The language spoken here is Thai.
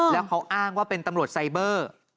แล้วเขาอ้างว่าเป็นตำรวจไซเบอร์